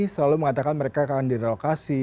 selalu mengatakan mereka akan direlokasi